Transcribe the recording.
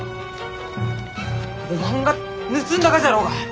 おまんが盗んだがじゃろうが！